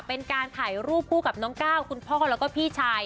เป็นการถ่ายรูปคู่กับน้องก้าวคุณพ่อแล้วก็พี่ชาย